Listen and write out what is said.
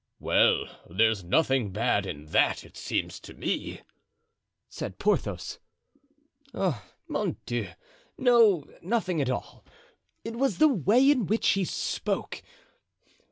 '" "Well, there's nothing bad in that, it seems to me," said Porthos. "Oh, mon Dieu! no, nothing at all. It was the way in which he spoke.